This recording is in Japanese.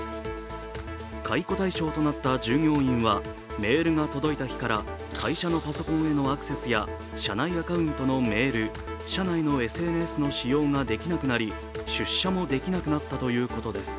解雇対象となった従業員はメールが届いた日から会社のパソコンへのアクセスや社内のＳＮＳの使用ができなくな出社もできなくなったということです。